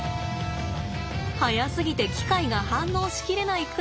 速すぎて機械が反応し切れないくらいです。